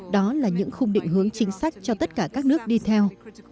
đó là những khung định hướng chính sách cho tất cả các nước đi theo